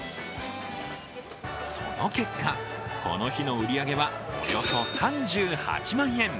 その結果、この日の売り上げはおよそ３８万円。